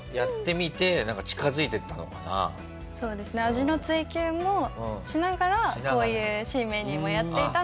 味の追求もしながらこういう新メニューもやっていたので。